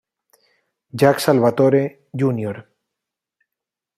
Jack Salvatore Jr.